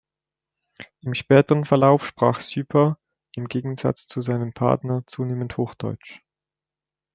Im späteren Verlauf sprach Süper, im Gegensatz zu seinem Partner, zunehmend Hochdeutsch.